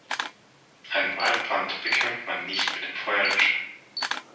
Einen Waldbrand bekämpft man nicht mit dem Feuerlöscher.